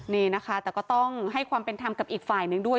นี่นะคะแต่ก็ต้องให้ความเป็นธรรมกับอีกฝ่ายนึงด้วย